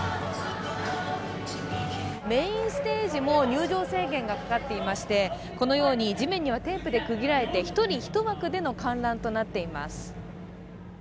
メインステージも入場制限がかかっていましてこのように地面にはテープで区切られて、１人１枠での観覧となっています。